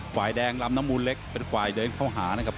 ฝ่ายแดงลำน้ำมูลเล็กเป็นฝ่ายเดินเข้าหานะครับ